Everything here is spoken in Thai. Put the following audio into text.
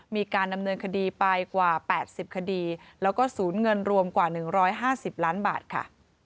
มีการดำเนินคดีไปกว่า๘๐คดีแล้วก็ศูนย์เงินรวมกว่า๑๕๐ล้านบาทค่ะ